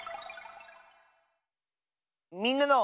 「みんなの」。